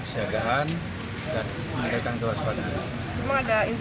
memang ada instruksi dari mampesko terkait siaga sabara